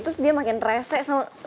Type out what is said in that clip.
terus dia makin rese